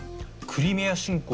クリミア侵攻。